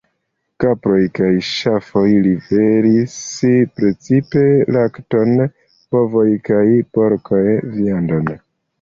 Kaproj kaj ŝafoj liveris precipe lakton, bovoj kaj porkoj viandon.